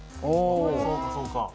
そうかそうか。